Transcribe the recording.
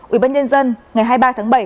ubnd ngày hai mươi ba tháng bảy